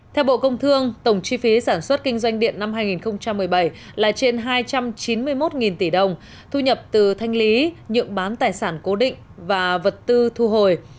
theo bộ công thương tổng chi phí sản xuất kinh doanh điện năm hai nghìn một mươi bảy là trên hai trăm chín mươi một tỷ đồng thu nhập từ thanh lý nhượng bán tài sản cố định và vật tư thu hồi